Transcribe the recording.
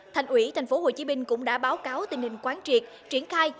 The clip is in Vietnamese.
thành ủy tp hcm cũng đã báo cáo tình hình quán triệt triển khai